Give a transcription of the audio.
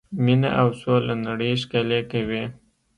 مینه او سوله نړۍ ښکلې کوي.